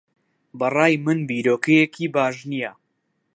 بە ڕای من بیرۆکەیەکی باش نییە.